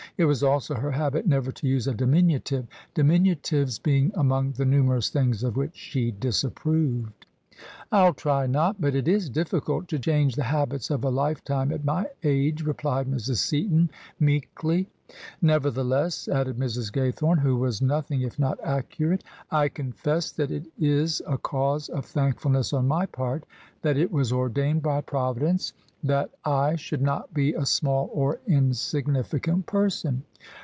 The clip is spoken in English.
It was also her habit never to use a diminutive : diminutives being among the numerous things of which she disapproved. " rU try not: but it is difficult to change the habits of a lifetime at my age," replied Mrs. Seaton, meekly. " Nevertheless," added Mrs. Gaythome, who was noth ing If not accurate, " I confess that it is a cause of thankful ness on my part that It was ordained by Providence that I THE SUBJECTION should not be a small or insignificant person.